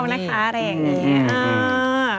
ไม่ได้ประชดเรานะคะอะไรอย่างนี้